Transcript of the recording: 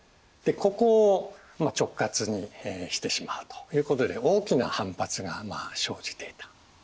ここを直轄にしてしまうということで大きな反発が生じていた。